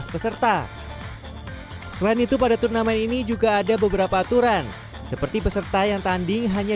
peserta selain itu pada turnamen ini juga ada beberapa aturan seperti peserta yang tanding hanya